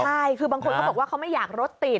ใช่คือบางคนเขาบอกว่าเขาไม่อยากรถติด